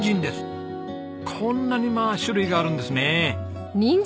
こんなにまあ種類があるんですね！